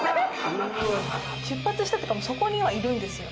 出発したっていうか、そこにはいるんですよ。